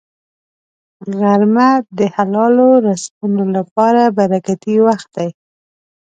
غرمه د حلالو رزقونو لپاره برکتي وخت دی